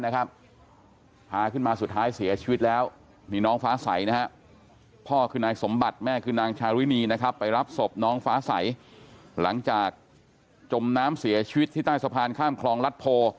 ชาวินีนะครับไปรับศพน้องฟ้าใสหลังจากจมน้ำเสียชีวิตที่ใต้สะพานข้ามคลองลัดโพ